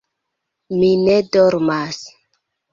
Mi ne dormas.